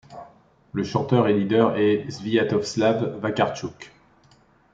Le chanteur et leader est Svyatoslav Vakarchuk.